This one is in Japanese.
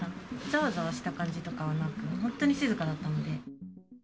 ざわざわした感じとかはなく、本当に静かだったんで。